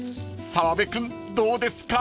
［澤部君どうですか？］